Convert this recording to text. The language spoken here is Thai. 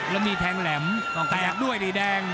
แล้วมีแทงแหลมแตกด้วยดิแดง